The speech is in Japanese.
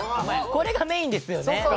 これがメインですよね。